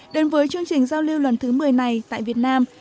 đến với chương trình giao lưu lần thứ một mươi này tại việt nam